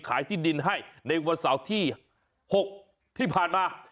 ที่ดินให้ในวันเสาร์ที่๖ที่ผ่านมา